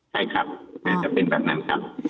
ใช่ครับน่าจะเป็นแบบนั้นครับ